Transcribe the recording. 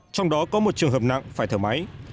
trong đó có một trường hợp nặng phải thở máy